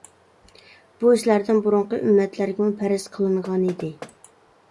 بۇ سىلەردىن بۇرۇنقى ئۈممەتلەرگىمۇ پەرز قىلىنغان ئىدى.